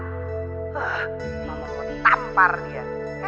mama mau ditampar dia